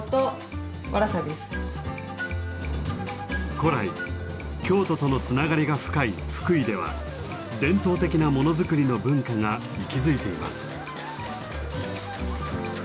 古来京都とのつながりが深い福井では伝統的なものづくりの文化が息づいています。